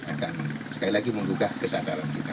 akan sekali lagi menggugah kesadaran kita